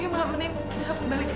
maksudnya carbon cream halilintar